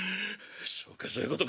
「そうかそういうことか。